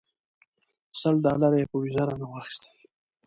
سل ډالره یې په ویزه رانه واخیستل.